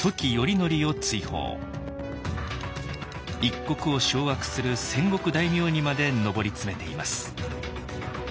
一国を掌握する戦国大名にまで上り詰めています。